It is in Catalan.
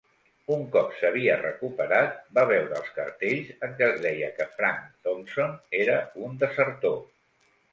Un cop s'havia recuperat, va veure els cartells en què es deia que Frank Thompson era un desertor.